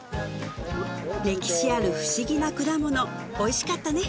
歴史ある不思議な果物おいしかったね